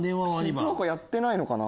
静岡やってないのかな？